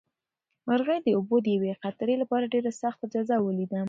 مرغۍ د اوبو د یوې قطرې لپاره ډېره سخته جزا ولیده.